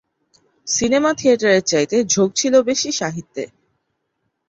সিনেমা-থিয়েটারের চাইতে ঝোঁক ছিল বেশি সাহিত্যে।